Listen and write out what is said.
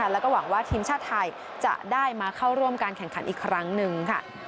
แล้วก็หวังว่าทีมชาติไทยจะได้มาเข้าร่วมการแข่งขันอีกครั้งหนึ่ง